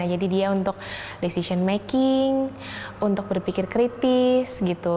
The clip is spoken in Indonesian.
jadi dia untuk decision making untuk berpikir kritis gitu